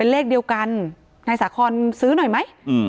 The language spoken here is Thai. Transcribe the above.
เลขเดียวกันนายสาคอนซื้อหน่อยไหม